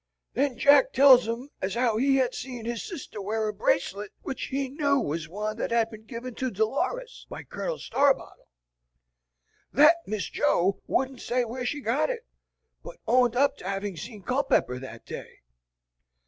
Then Jack tells 'em as how he had seen his sister wear a bracelet which he knew was one that had been given to Dolores by Colonel Starbottle. That Miss Jo wouldn't say where she got it, but owned up to having seen Culpepper that day.